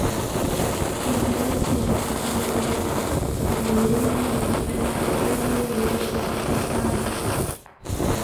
In Nancy and probably in Lille he spent the earlier years of his life.